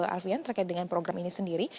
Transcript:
alfian terkait dengan program ini sendiri